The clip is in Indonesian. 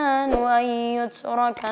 aku mau bekerja